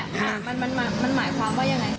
อ่ามันมันมันมันหมายความว่ายังไง